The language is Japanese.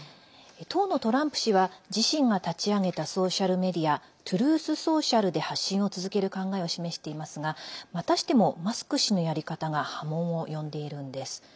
当のトランプ氏は自身が立ち上げたソーシャルメディアＴｒｕｔｈＳｏｃｉａｌで発信を続ける考えを示していますがまたしてもマスク氏のやり方が波紋を呼んでいるんです。